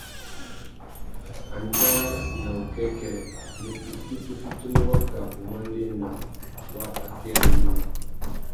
Andjara na wukêkêrê : yê tukí tu fitimú waka wumandēna wa akêrê yïmá ?